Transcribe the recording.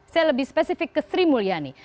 saya lebih spesifik ke sri mulyani